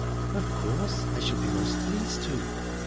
"Of course; I shall be most pleased to."